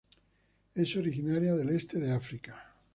Es originaria del este de África.